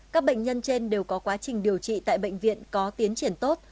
các bệnh nhân trên đều có quá trình điều trị tại bệnh viện có tiến triển tốt